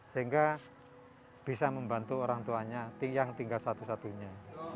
sehingga bisa membantu orang tuanya yang tinggal satu satunya